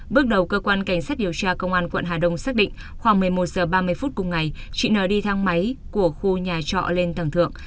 bước đầu cơ quan cảnh sát điều tra công an quận hà đông xác định khoảng một mươi một h ba mươi phút cùng ngày chị nờ đi thang máy của khu nhà trọ lên tầng thượng